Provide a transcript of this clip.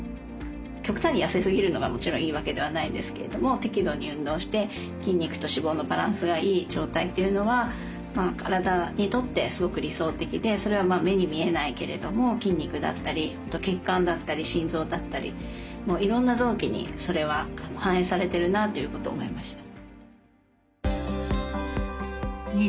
極端に痩せすぎるのがもちろんいいわけではないんですけれども適度に運動して筋肉と脂肪のバランスがいい状態っていうのは体にとってすごく理想的でそれは目に見えないけれども筋肉だったり血管だったり心臓だったりいろんな臓器にそれは反映されてるなと思いました。